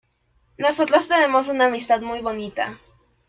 nosotros tenemos una amistad muy bonita,